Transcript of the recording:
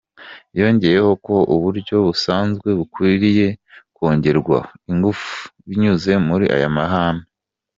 Yongeyeho ko uburyo busanzwe bukwiriye kongererwa ingufu binyuze muri aya mahame.